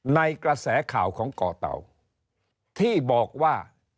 ในกระแสข่าวของก่อเต่าที่บอกว่า